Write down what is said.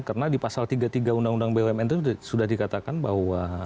karena di pasal tiga puluh tiga undang undang bumn itu sudah dikatakan bahwa